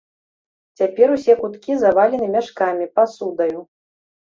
Цяпер усе куткі завалены мяшкамі, пасудаю.